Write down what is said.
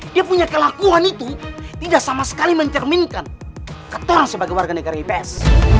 dia punya kelakuan itu tidak sama sekali mencerminkan ketor sebagai warga negara ips